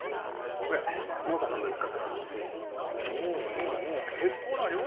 これノート半分使ったからまとめておーおー